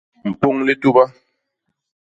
Mpôñ lituba.